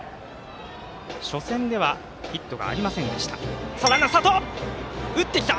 初戦ではヒットがありませんでした。